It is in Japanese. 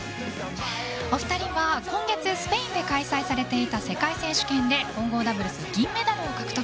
お二人は今月、スペインで開催されていた世界選手権で混合ダブルス銀メダルを獲得。